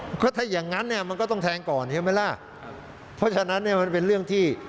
เพราะถ้าอย่างนั้นมันก็ต้องแทงก่อนเห็นไหมล่ะเพราะฉะนั้นมันเป็นเรื่องที่